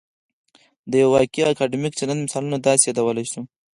د یو واقعي اکادمیک چلند مثالونه داسې يادولای شو چې